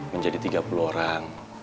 menjadi tiga puluh orang